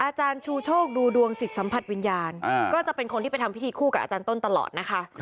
อาจารย์ชูโชคดูดวงจิตสัมผัสวิญญาณก็จะเป็นคนที่ไปทำพิธีคู่กับอาจารย์ต้นตลอดนะคะ